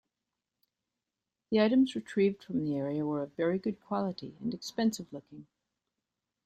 The items retrieved from the area were of very good quality and expensive looking.